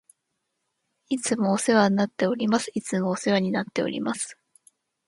いつもお世話になっております。いつもお世話になっております。